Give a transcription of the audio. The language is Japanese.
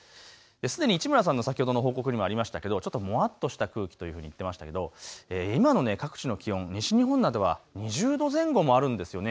すでに市村さんの先ほどの報告にもありましたけど、ちょっともわっとした空気というふうに言ってましたけど、今の各地の気温、西日本などは２０度前後もあるんですよね。